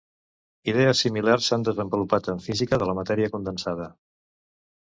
Idees similars s'han desenvolupat en física de la matèria condensada.